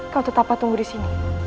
kau tetap patung di sini